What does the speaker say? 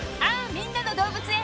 みんなの動物園』